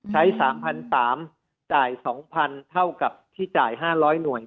ใช้๓๓๐๐จ่าย๒๐๐๐เท่ากับที่จ่าย๕๐๐หน่วย